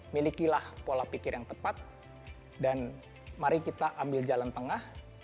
milikilah pola pikir yang tepat dan mari kita ambil jalan tengah